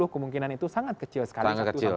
kemungkinan itu sangat kecil sekali